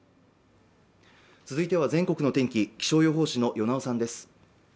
続いては全国の天気気象予報士の與猶さんです